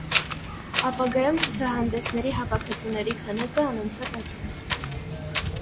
Ապագայում ցուցահանդեսների հավաքածուների քանակը անընդհատ աճում էր։